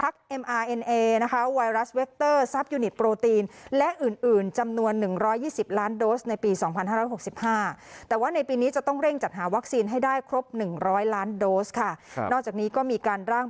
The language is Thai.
ขอเผื่อขอยำอีกครั้งหนึ่งนะครับ